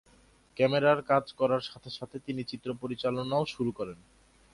ক্যামেরার কাজ করার সাথে সাথে তিনি চিত্র পরিচালনাও শুরু করেন।